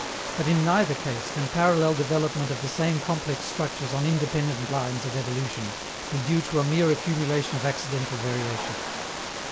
But in neither case can parallel development of the same complex structures on independent lines of evolution be due to a mere accumulation of accidental variations.